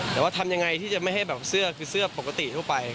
แต่ว่าทำยังไงที่จะไม่ให้แบบเสื้อคือเสื้อปกติทั่วไป